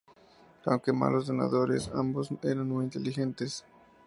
Aunque malos nadadores, ambos eran muy inteligentes.